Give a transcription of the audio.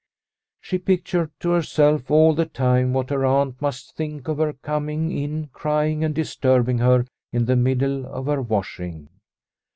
She pictured to herself all the time what her aunt must think of her coming in crying and disturbing her in the middle of her washing.